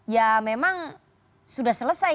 ya memang sudah selesai